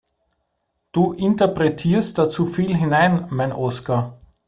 Du interpretierst da zu viel hinein, meint Oskar.